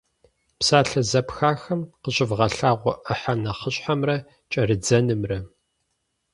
Псалъэ зэпхахэм къыщывгъэлъагъуэ ӏыхьэ нэхъыщхьэмрэ кӏэрыдзэнымрэ.